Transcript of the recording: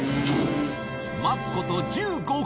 待つこと１５分